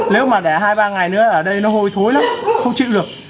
nếu mà cả hai ba ngày nữa ở đây nó hôi thối lắm không chịu được